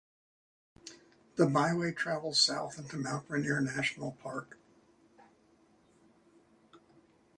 The byway travels south into Mount Rainier National Park.